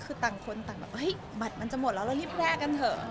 คือต่างคนบัตรมันจะหมดแล้วเรารีบแลกกันเถอะ